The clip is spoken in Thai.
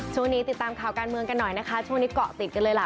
ช่วงนี้ติดตามข่าวการเมืองกันหน่อยนะคะช่วงนี้เกาะติดกันเลยล่ะ